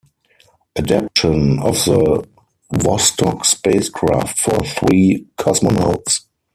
Adaptation of the Vostok spacecraft for three cosmonauts.